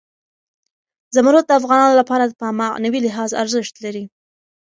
زمرد د افغانانو لپاره په معنوي لحاظ ارزښت لري.